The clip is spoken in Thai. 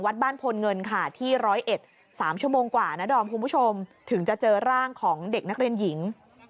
วัดบ้านพลเงินที่ร้อยเอ็ด๓ชั่วโมงกว่าถึงจะเจอร่างของเด็กนักเรียนหญิง